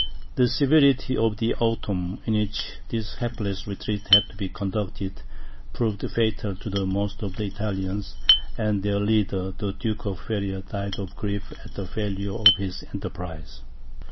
The severity of the autumn, in which this hapless retreat had to be conducted, proved fatal to most of the Italians; and their leader, the Duke of Feria, died of grief at the failure of his enterprise.